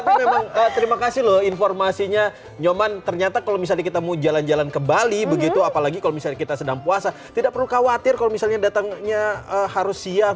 tapi memang terima kasih loh informasinya nyoman ternyata kalau misalnya kita mau jalan jalan ke bali begitu apalagi kalau misalnya kita sedang puasa tidak perlu khawatir kalau misalnya datangnya harus siap